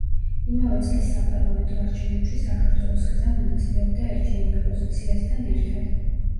იმავე წლის საპარლამენტო არჩევნებში საქართველოს გზა მონაწილეობდა ერთიანი ოპოზიციასთან ერთად.